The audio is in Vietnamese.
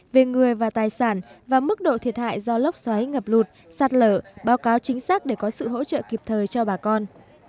về người và tài sản và mức độ thiệt hại do lốc xoáy ngập lụt sạt lở báo cáo chính xác để có sự hỗ trợ kịp thời cho bà con